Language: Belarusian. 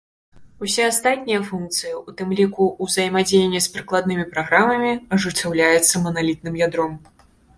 Усе астатнія функцыі, у тым ліку ўзаемадзеянне з прыкладнымі праграмамі, ажыццяўляюцца маналітным ядром.